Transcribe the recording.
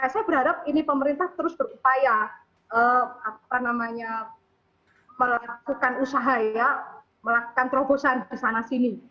saya berharap ini pemerintah terus berupaya melakukan usaha ya melakukan terobosan di sana sini